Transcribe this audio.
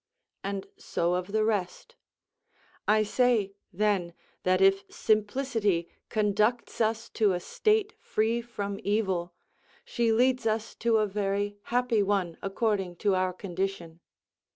And so of the rest. I say, then, that if simplicity conducts us to a state free from evil, she leads us to a very happy one according to our condition.